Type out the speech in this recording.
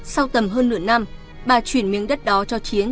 sau tầm hơn nửa năm bà chuyển miếng đất đó cho chiến